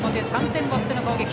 ３点を追っての攻撃。